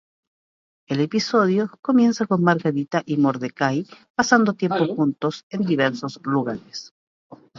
El episodio comienza con Margarita y Mordecai pasando tiempo juntos en diversos lugares.